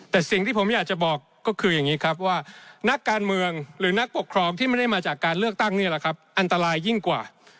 แต่สิ่งที่ผมอยากจะบอกก็คืออย่างนี้ครับว่านักการเมืองหรือนักปกครองที่ไม่ได้มาจากการเลือกตั้งนี่แหละครับอันตรายยิ่งกว่า